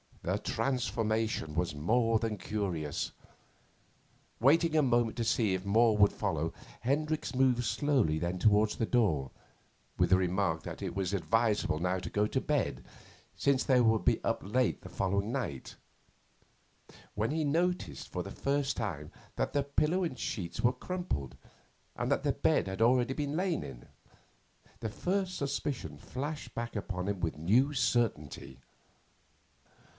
The transformation was more than curious. Waiting a moment to see if more would follow, Hendricks moved slowly then towards the door, with the remark that it was advisable now to go to bed since they would be up late the following night when he noticed for the first time that the pillow and sheets were crumpled and that the bed had already been lain in. The first suspicion flashed back upon him with new certainty.